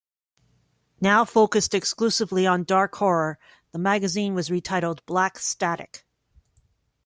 Now focused exclusively on dark horror, the magazine was retitled "Black Static".